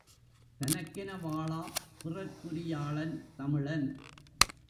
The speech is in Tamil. தனக்கென வாழாப் பிறர்க்குரியாளன் தமிழன்.